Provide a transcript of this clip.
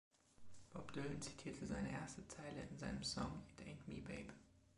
Bob Dylan zitierte seine erste Zeile in seinem Song „It Ain't Me Babe“.